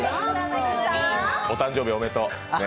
お誕生日おめでとう。